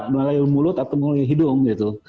melalui mulut atau melalui hidung gitu